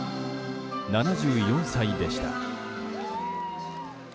７４歳でした。